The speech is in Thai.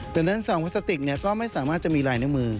ดังนั้นซองพลาสติกก็ไม่สามารถจะมีลายนิ้วมือ